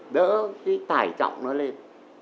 đỡ cái tải trọng nó lên